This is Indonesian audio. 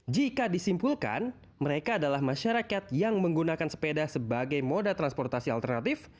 jika disimpulkan mereka adalah masyarakat yang menggunakan sepeda sebagai moda transportasi alternatif